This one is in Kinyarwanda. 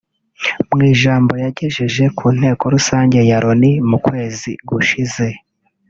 Mu ijambo yagejeje ku nteko rusange ya Loni mu kwezi gushize